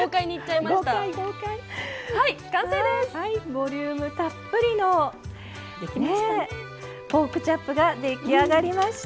ボリュームたっぷりのポークチャップが出来上がりました。